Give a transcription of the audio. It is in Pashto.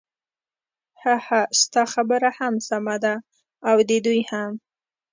ههه ستا خبره هم سمه ده او د دوی هم.